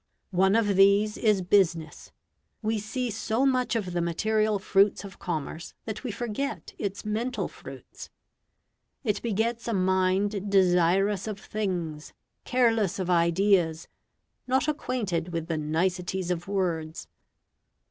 One of these is business. We see so much of the material fruits of commerce that we forget its mental fruits. It begets a mind desirous of things, careless of ideas, not acquainted with the niceties of words.